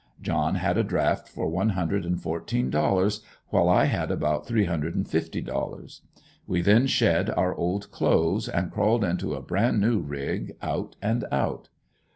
John had a draft for one hundred and fourteen dollars, while I had about three hundred and fifty dollars. We then shed our old clothes and crawled into a bran new rig out and out.